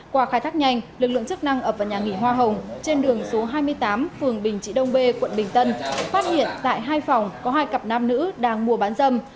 qua khai thác nhanh lực lượng chức năng ập vào nhà nghỉ hoa hồng trên đường số hai mươi tám phường bình trị đông bê quận bình tân phát hiện tại hai phòng có hai cặp nam nữ đang mua bán dâm